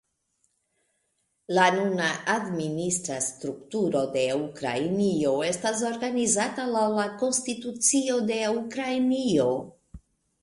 La nuna administra strukturo de Ukrainio estas organizata laŭ la konstitucio de Ukrainio.